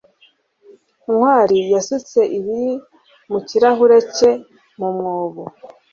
ntwali yasutse ibiri mu kirahure cye mu mwobo